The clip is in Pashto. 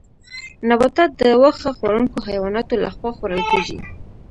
نباتات د واښه خوړونکو حیواناتو لخوا خوړل کیږي